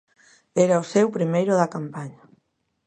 Era o seu primeiro da campaña.